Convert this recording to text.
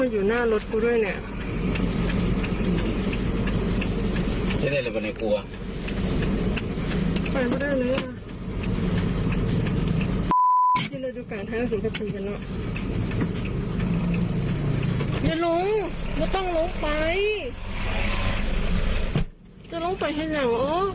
อย่าลงอย่าต้องลงไปจะลงไปทีนี้เหรอ